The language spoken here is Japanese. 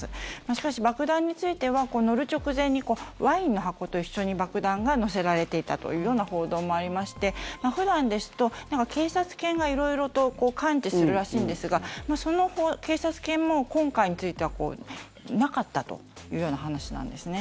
しかし爆弾については乗る直前にワインの箱と一緒に爆弾が載せられていたというような報道もありまして普段ですと、警察犬が色々と感知するらしいんですがその警察犬も今回についてはなかったというような話なんですね。